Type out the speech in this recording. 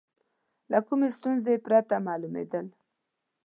له کومې ستونزې پرته معلومېدل.